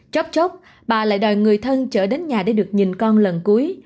chốc chốc bà lại đòi người thân trở đến nhà để được nhìn con lần cuối